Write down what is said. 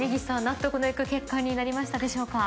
納得のいく結果になりましたでしょうか？